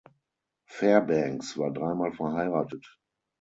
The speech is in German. Fairbanks war dreimal verheiratet.